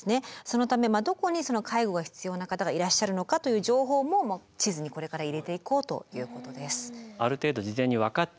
そのためどこに介護が必要な方がいらっしゃるのかという情報も地図にこれから入れていこうということです。